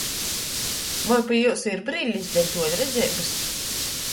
Voi pi jiusu ir brillis deļ tuoļredzeibys?